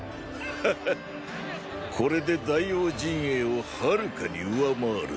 はっはこれで大王陣営をはるかに上回るぞ。